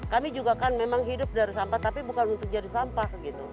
kami juga kan memang hidup dari sampah tapi bukan untuk jadi sampah gitu